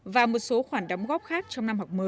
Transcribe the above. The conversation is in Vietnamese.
và một số khoản đồng bộ